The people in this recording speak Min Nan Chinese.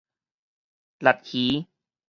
鯡魚